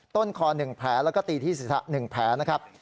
ต้นคอ๑แผลแล้วก็ตีที่ศีรษะ๑แผลนะครับ